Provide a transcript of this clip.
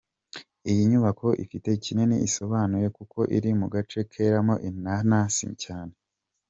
Iyi nyubako ifite kinini isobanuye kuko iri mu gace keramo inanasi cyane.